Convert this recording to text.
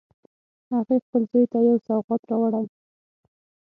هغې خپل زوی ته یو سوغات راوړی